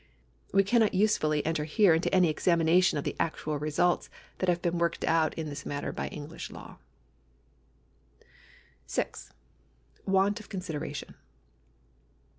We cannot usefully enter here into any examination of the actual results that have been worked out in this matter by English law. G. Want of consideration.